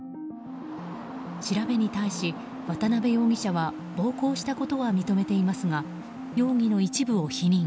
調べに対し、渡辺容疑者は暴行したことは認めていますが容疑の一部を否認。